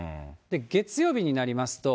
月曜日になりますと、